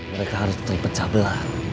mereka harus terpecah belah